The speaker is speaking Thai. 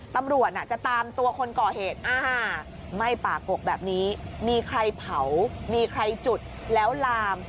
ตำรวจจะตามตัวคนก่อเหตุอ่าไหม้ป่ากกแบบนี้มีใครเผามีใครจุดแล้วลาม